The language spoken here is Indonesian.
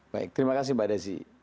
baik terima kasih mbak desi